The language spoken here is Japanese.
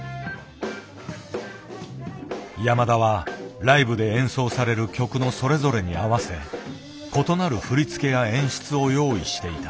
山田はライブで演奏される曲のそれぞれに合わせ異なる振り付けや演出を用意していた。